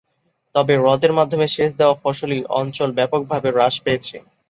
তবে হ্রদের মাধ্যমে সেচ দেওয়া ফসলী অঞ্চল ব্যাপকভাবে হ্রাস পেয়েছে।